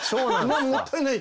もったいない。